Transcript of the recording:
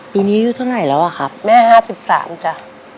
ปีนี้ยืนเท่าไหร่แล้วอะครับแม่ห้าสิบสามจ้ะ